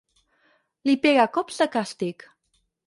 Li pega cops de càstig.